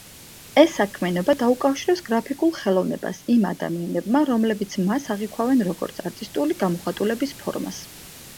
ეს საქმიანობა დაუკავშირეს გრაფიკულ ხელოვნებას იმ ადამიანებმა, რომლებიც მას აღიქვამენ, როგორც არტისტული გამოხატულების ფორმას.